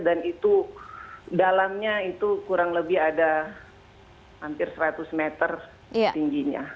dan itu dalamnya itu kurang lebih ada hampir seratus meter tingginya